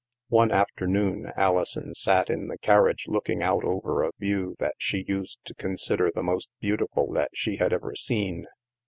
One afternoon Alison sat in the carriage looking out over a view that she used to consider the most beautiful that she had ever seen.